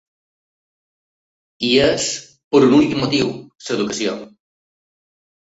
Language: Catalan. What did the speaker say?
I és per un únic motiu: l’educació.